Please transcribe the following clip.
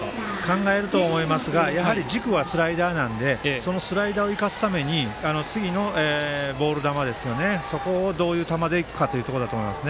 考えると思いますがやはり、軸はスライダーなのでそのスライダーを生かすために次のボール球をどういう球で行くかというところだと思います。